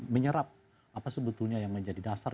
menyerap apa sebetulnya yang menjadi dasar